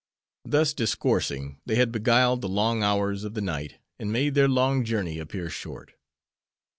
Thus discoursing they had beguiled the long hours of the night and made their long journey appear short.